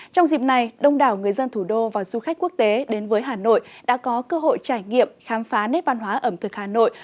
trong dịp này đông đảo người dân thủ đô và du khách quốc tế đến với hà nội đã có cơ hội trải nghiệm khám phá nét văn hóa ẩm thực hà nội